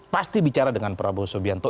pasti bicara dengan prabowo subianto